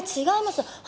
違いますよ！